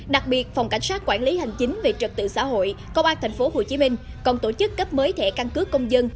đặc biệt phòng cảnh sát quản lý hành chính về trật tự xã hội công an tp hcm còn tổ chức cấp mới thẻ căn cước công dân